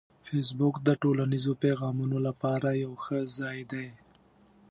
فېسبوک د ټولنیزو پیغامونو لپاره یو ښه ځای دی